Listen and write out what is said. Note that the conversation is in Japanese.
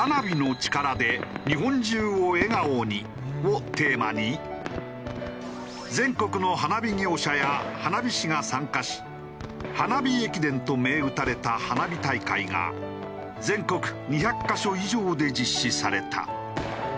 をテーマに全国の花火業者や花火師が参加し「花火駅伝」と銘打たれた花火大会が全国２００カ所以上で実施された。